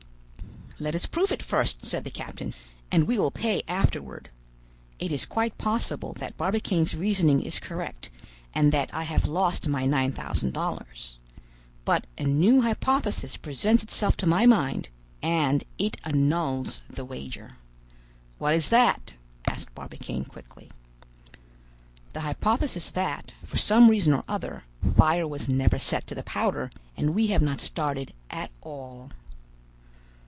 "Let us prove it first," said the captain, "and we will pay afterward. It is quite possible that Barbicane's reasoning is correct, and that I have lost my nine thousand dollars. But a new hypothesis presents itself to my mind, and it annuls the wager." "What is that?" asked Barbicane quickly. "The hypothesis that, for some reason or other, fire was never set to the powder, and we have not started at all."